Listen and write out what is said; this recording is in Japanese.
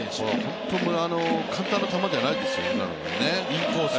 本当、簡単な球じゃないですよ、今のも。